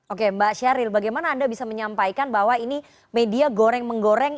oke mbak syahril bagaimana anda bisa menyampaikan bahwa ini media goreng menggoreng